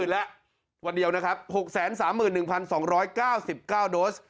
๖๓๐๐๐๐แล้ววันเดียวนะครับ๖๓๑๒๙๙โดส